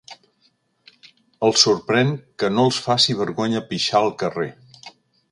El sorprèn que no els faci vergonya pixar al carrer.